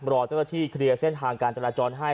รอเจ้าหน้าที่เคลียร์เส้นทางการจราจรให้